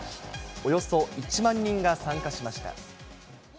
およそ１万人が参加しました。